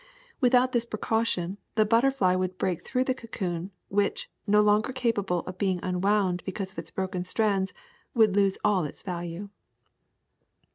Without this precaution the butterfly would break through the cocoon, which, no longer capable of being unwound because of its broken strands, would lose all its value.